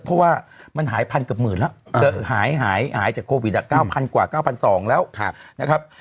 เพราะว่ามันหาย๑๐๐เกือบหมื่นแล้วหายจากโควิด๙๐๐กว่า๙๒๐๐แล้วนะครับ